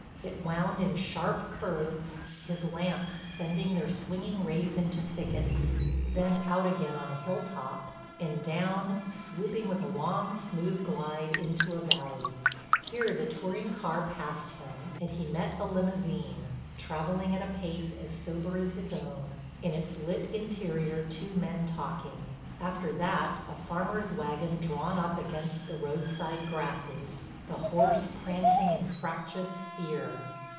It wound in sharp curves, his lamps sending their swinging rays into thickets, then out again on a hilltop, and down, swooping with a long, smooth glide into a valley. Here the touring car passed him and he met a limousine, traveling at a pace as sober as his own, in its lit interior two men talking; after that a farmer's wagon drawn up against the roadside grasses, the horse prancing in fractious fear.